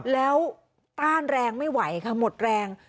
แล้วต้านแรงไม่ไหวค่ะหมดแรง